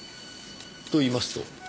と言いますと？